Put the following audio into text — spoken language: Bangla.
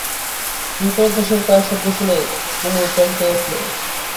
বিপ্রদাসের পায়ের শব্দ শুনে কুমু চমকে উঠল।